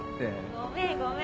・ごめんごめん。